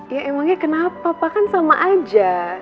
ya emangnya kenapa pak kan sama aja